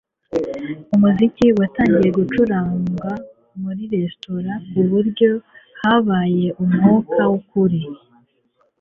umuziki watangiye gucuranga muri resitora kuburyo habaye umwuka wukuri